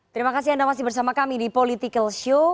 terima kasih anda masih bersama kami di political show